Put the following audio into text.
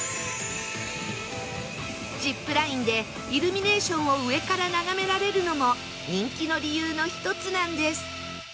ジップラインでイルミネーションを上から眺められるのも人気の理由の１つなんです